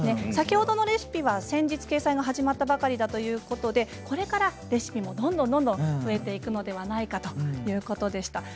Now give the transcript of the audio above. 先ほどのレシピは先日掲載が始まったばかりということでこれからレシピもどんどん増えていくのではないかということでした。